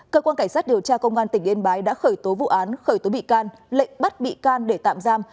cơ quan cảnh sát điều tra công an tỉnh yên bái đã khởi tố vụ án khởi tố bị can lệnh bắt bị can để tạm giam